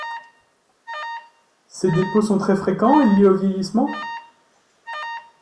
Ces dépôts sont très fréquents et liés au vieillissement.